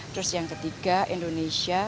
terus yang ketiga indonesia